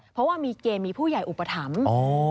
เพราะว่ามีเกณฑ์มีผู้ใหญ่อุปถัมภ์